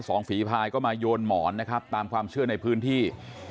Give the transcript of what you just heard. ฝีพายก็มาโยนหมอนนะครับตามความเชื่อในพื้นที่